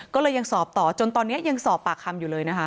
ก็เลยยังสอบต่อจนตอนนี้ยังสอบปากคำอยู่เลยนะคะ